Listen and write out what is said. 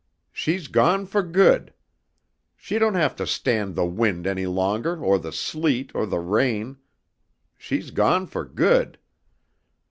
She's gone for good. She don't have to stand the wind any longer or the sleet or the rain. She's gone for good.